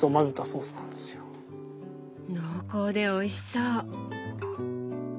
濃厚でおいしそう。